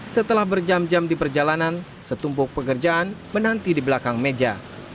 setelah berjam jam di perjalanan setumpuk pekerjaan menanti di belakang meja